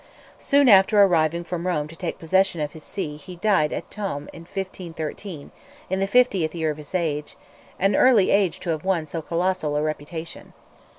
Soon after arriving from Rome to take possession of his see he died at Tuam in 1513, in the fiftieth year of his age—an early age to have won so colossal a reputation.